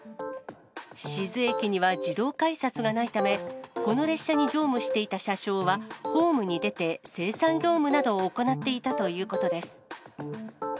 静駅には自動改札がないため、この列車に乗務していた車掌は、ホームに出て精算業務などを行っていたということです。